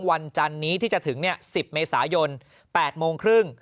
จันนี้ที่จะถึง๑๐เมษายน๘โมงครึ่ง